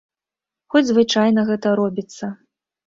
Хоць звычайна гэта робіцца.